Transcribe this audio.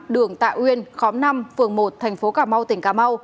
đường tạ uyên khóm năm phường một tp hcm